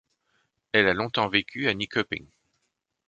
Elle a longtemps vécu à Nyköping.